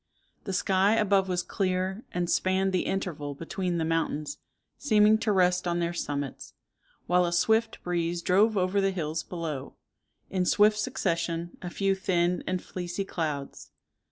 The sky above was clear, and spanned the interval between the mountains, seeming to rest on their summits, while a swift breeze drove over the hills below, in swift succession, a few thin and fleecy clouds.